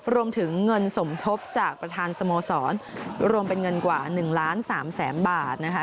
รวมถึงเงินสมทบจากประธานสโมสรรวมเป็นเงินกว่า๑ล้าน๓แสนบาทนะคะ